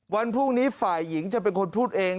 วันพรุ่งนี้ฝ่ายหญิงจะเป็นคนพูดเอง